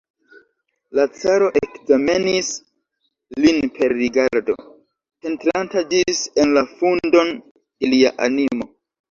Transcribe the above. La caro ekzamenis lin per rigardo, penetranta ĝis en la fundon de lia animo.